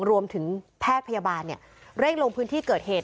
รวมถึงแพทย์พยาบาลเนี่ยเร่งลงพื้นที่เกิดเหตุ